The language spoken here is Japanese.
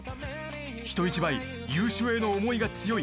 ［人一倍優勝への思いが強い］